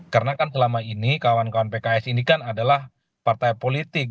karena kan selama ini kawan kawan pks ini kan adalah partai politik